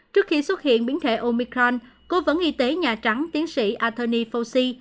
trước khi xuất hiện biến thể omicron cố vấn y tế nhà trắng tiến sĩ anthony fauci